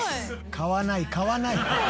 買わない買わない。